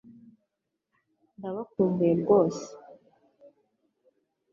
ndabakumbuye rwose